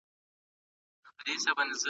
موږ تمرينونه کوو.